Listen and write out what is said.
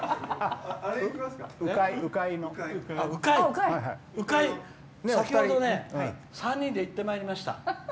鵜飼先ほどね３人で行ってまいりました。